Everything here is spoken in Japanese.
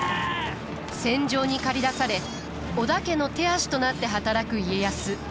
戦場に駆り出され織田家の手足となって働く家康。